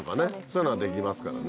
そういうのはできますからね。